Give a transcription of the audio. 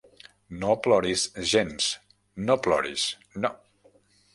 No ploris gens; no ploris, no.